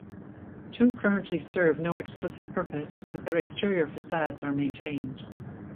Two currently serve no explicit purpose, but their exterior facades are maintained.